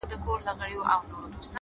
o دده مخ د نمکينو اوبو ډنډ سي ـ